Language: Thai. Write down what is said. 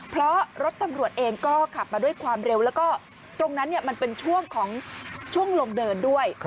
เพราะรถตำรวจเองก็ขับมาด้วยความเร็วแล้วก็ตรงนั้นมันเป็นช่วงของช่วงลงเดินด้วย